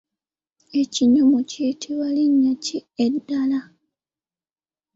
Ekinyomo kiyitibwa linnya ki eddala?